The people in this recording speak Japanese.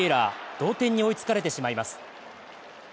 同点に追いつかれてしまいます。